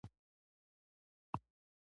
د پښتو خدمت عملي کار دی.